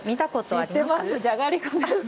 知ってますじゃがりこです。